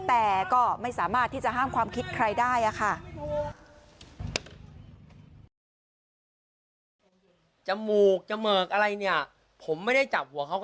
แต่ก็ไม่สามารถที่จะห้ามความคิดใครได้ค่ะ